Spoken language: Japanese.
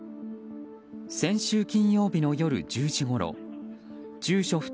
先週金曜日の夜１０時ごろ住所